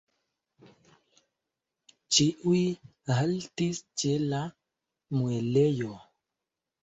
Ĉiuj haltis ĉe la muelejo.